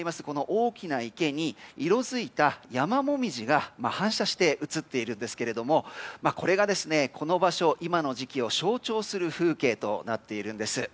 大きな池に色づいたヤマモミジが反射して映っているんですがこれが、この場所今の時期を象徴する風景となっているんです。